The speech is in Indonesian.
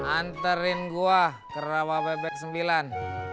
anterin gua ke rawa bebek sembilan